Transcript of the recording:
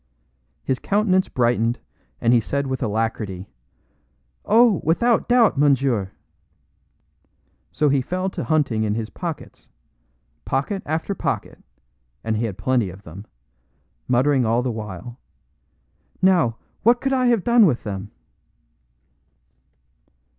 His countenance brightened, and he said with alacrity: "Oh, without doubt, monsieur!" So he fell to hunting in his pockets pocket after pocket, and he had plenty of them muttering all the while, "Now, what could I have done with them?"